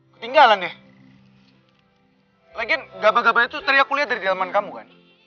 mungkin gabah gabah itu teriak kuliah dari daleman kamu kan